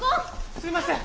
すいません！